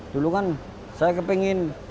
dulu kan saya kepengen